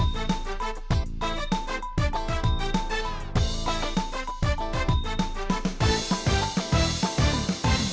ที่รอดแบบมือ